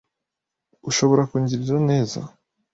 Ushobora kungirira neza?